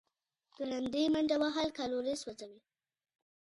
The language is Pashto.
ګړندۍ منډه وهل کالوري سوځوي.